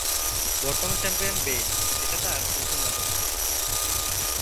বর্তমান champion Bale এটা তার প্রথম রাজত্ব।